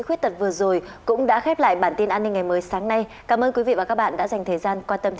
xin chào tạm biệt và hẹn gặp lại